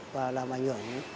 và làm ảnh hưởng